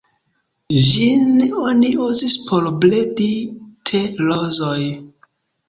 Ĝin oni uzis por bredi te-rozoj.